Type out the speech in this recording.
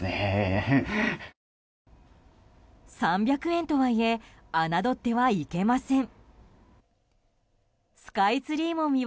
３００円とはいえ侮ってはいけません。